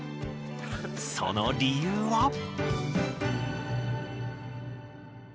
その理由は？